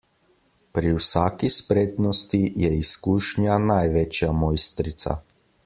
Pri vsaki spretnosti je izkušnja največja mojstrica.